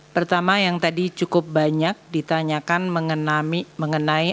pertama yang tadi cukup banyak ditanyakan mengenai